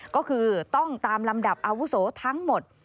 ก็คือต้องตามลำดับอาวุโสทั้งหมด